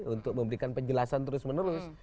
untuk memberikan penjelasan terus menerus